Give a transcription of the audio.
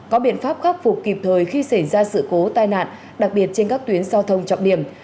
có biện pháp khắc phục kịp thời khi xảy ra sự cố tai nạn đặc biệt trên các tuyến giao thông trọng điểm